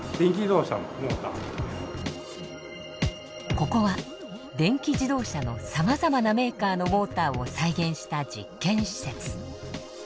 ここは電気自動車のさまざまなメーカーのモーターを再現した実験施設。